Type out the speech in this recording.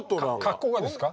格好がですか？